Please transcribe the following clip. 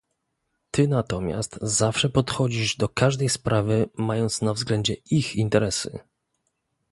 Ty natomiast zawsze podchodzisz do każdej sprawy, mając na względzie ich interesy